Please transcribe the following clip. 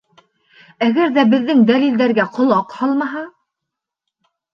Әгәр ҙә беҙҙең дәлилдәргә ҡолаҡ һалмаһа?